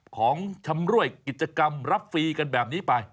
ของชำรวยกิจกรรมรับฟรีกันแบบนี้ไป